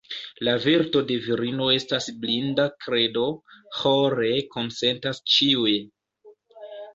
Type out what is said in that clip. La virto de virino estas blinda kredo, ĥore konsentas ĉiuj.